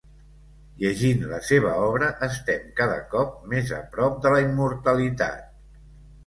Llegint la seva obra estem cada cop més a prop de la immortalitat.